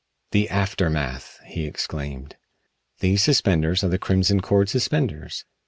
"The aftermath!" he exclaimed. "These suspenders are the Crimson Cord suspenders.